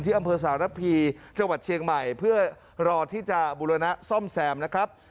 อำเภอสารพีจังหวัดเชียงใหม่เพื่อรอที่จะบุรณะซ่อมแซมนะครับ